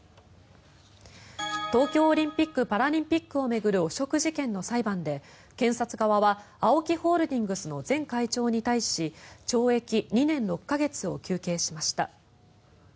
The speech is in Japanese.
東京オリンピック・パラリンピックを巡る汚職事件の裁判で検察側はＡＯＫＩホールディングスの前会長に対し懲役２年６か月を求刑しました。